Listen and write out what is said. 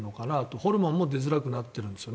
ホルモンも出づらくなってるんですよね。